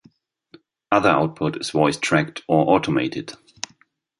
Other output is voicetracked or automated.